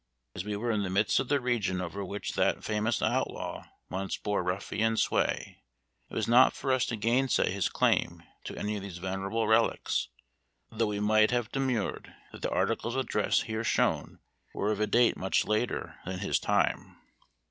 As we were in the midst of the region over which that famous outlaw once bore ruffian sway, it was not for us to gainsay his claim to any of these venerable relics, though we might have demurred that the articles of dress here shown were of a date much later than his time.